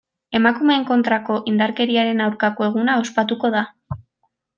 Emakumeen kontrako indarkeriaren aurkako eguna ospatuko da.